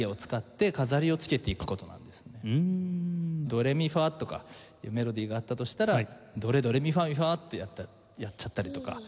「ドレミファ」とかいうメロディーがあったとしたら「ドレドレミファミファ」ってやっちゃったりとか。